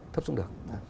thấp xuống được